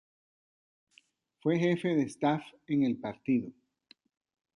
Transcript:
Fue Jefe de Staff en el Partido.